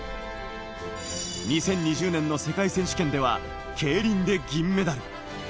２０２０年の世界選手権では競輪で銀メダル。